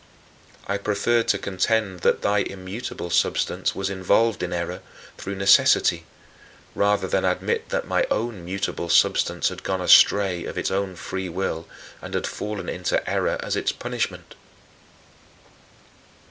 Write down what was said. I preferred to contend that thy immutable substance was involved in error through necessity rather than admit that my own mutable substance had gone astray of its own free will and had fallen into error as its punishment.